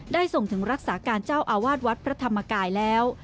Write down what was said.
ส่งถึงรักษาการเจ้าอาวาสวัดพระธรรมกายแล้ว